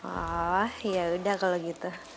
oh ya udah kalau gitu